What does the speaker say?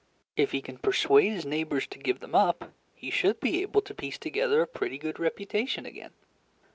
If he can persuade his neighbors to give them up, he should be able to piece together a pretty good reputation again.